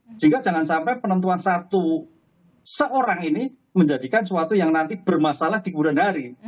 sehingga jangan sampai penentuan satu seorang ini menjadikan suatu yang nanti bermasalah di bulan hari